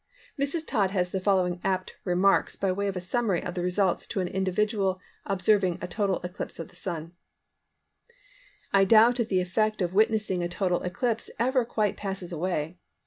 Mrs. Todd has the following apt remarks by way of summary of the results to an individual of observing a total eclipse of the Sun:—"I doubt if the effect of witnessing a total eclipse ever quite passes away.